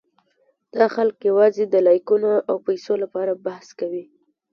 دا خلک یواځې د لایکونو او پېسو لپاره بحث کوي.